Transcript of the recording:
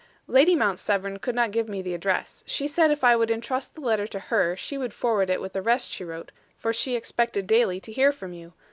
"Lady Mount Severn could not give me the address. She said if I would intrust the letter to her, she would forward it with the rest she wrote, for she expected daily to hear from you.